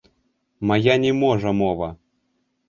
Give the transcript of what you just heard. Мая не можа мова!